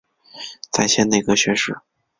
再迁内阁学士。